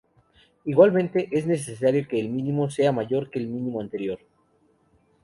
Igualmente, es necesario que el mínimo sea mayor que el mínimo anterior.